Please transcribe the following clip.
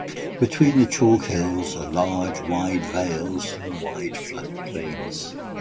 Between the chalk hills are large, wide vales and wide flood plains.